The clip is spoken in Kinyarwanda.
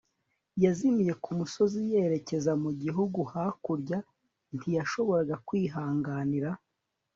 yazimiye kumusozi yerekeza mugihugu hakurya. ntiyashoboraga kwihanganira